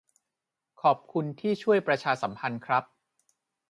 ขอบคุณที่ช่วยประชาสัมพันธ์ครับ